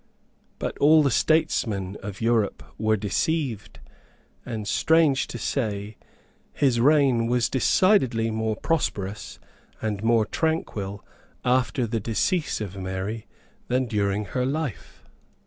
But all the statesmen of Europe were deceived; and, strange to say, his reign was decidedly more prosperous and more tranquil after the decease of Mary than during her life.